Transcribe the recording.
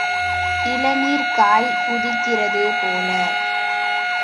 இளநீர்க் காய் உதிர்க்கிறது போல.